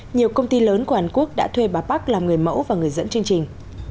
nhiều công ty lớn của hàn quốc đã thuê bà bắc làm người mẫu và người dẫn chương trình